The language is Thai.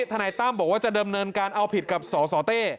นายตั้มบอกว่าจะเดิมเนินการเอาผิดกับสสเต้